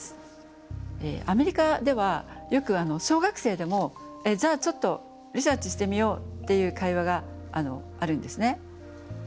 アメリカではよく小学生でも「じゃあちょっとリサーチしてみよう」っていう会話があるんですね。